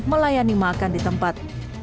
melayani makan di tempat